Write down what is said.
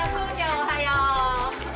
おはよう。